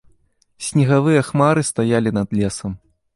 Снегавыя хмары стаялі над лесам.